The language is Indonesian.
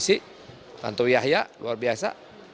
politisi tantowi yahya luar biasa